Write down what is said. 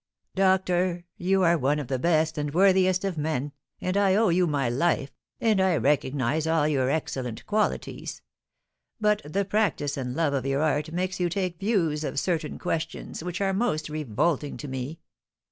"Doctor, you are one of the best and worthiest of men, and I owe you my life, and I recognise all your excellent qualities; but the practice and love of your art makes you take views of certain questions which are most revolting to me.